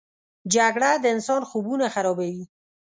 جګړه د انسان خوبونه خرابوي